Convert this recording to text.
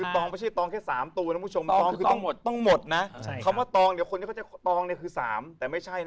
เลขตองสูงสุดสุดที่